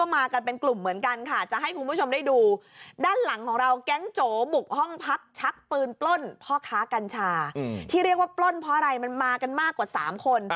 มากันเป็นกลุ่มเหมือนกันค่ะจะให้คุณผู้ชมได้ดูด้านหลังของเราแก๊งโจบุกห้องพักชักปืนปล้นพ่อค้ากัญชาที่เรียกว่าปล้นเพราะอะไรมันมากันมากกว่า๓คน